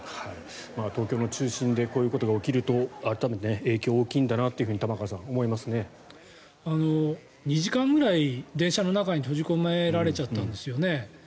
東京の中心でこういうことが起きると改めて影響が大きいんだなと２時間ぐらい電車の中に閉じ込められちゃったんですよね。